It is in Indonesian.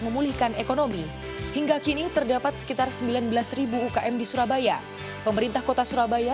memulihkan ekonomi hingga kini terdapat sekitar sembilan belas ukm di surabaya pemerintah kota surabaya